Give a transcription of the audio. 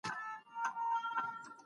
تاسي باید خپله ډوډې په انصاف سره ووېشئ.